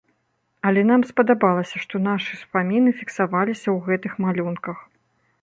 Але нам спадабалася, што нашы ўспаміны фіксаваліся ў гэтых малюнках.